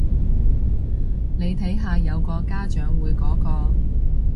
你睇下有個家長會嗰個